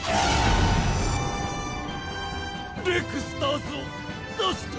レクスターズを出した！？